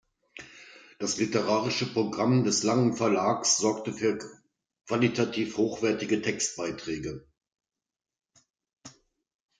Das literarische Programm des Langen Verlags sorgte für qualitativ hochwertige Textbeiträge.